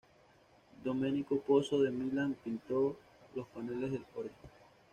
Domenico Pozzo de Milán pintó los paneles del órgano.